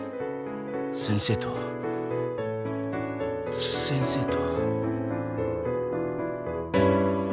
「先生と先生と」